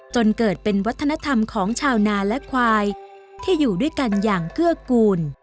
จนเกิดเป็นวัฒนธรรมของชาวนาและควายที่อยู่ด้วยกันอย่างเกื้อกูล